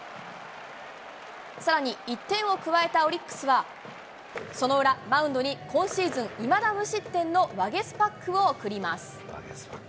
さらに１点を加えたオリックスは、その裏、マウンドに今シーズン、いまだ無失点のワゲスパックを送ります。